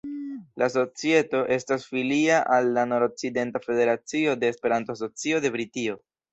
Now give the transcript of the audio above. La societo estas filia al la Nord-Okcidenta Federacio de Esperanto-Asocio de Britio.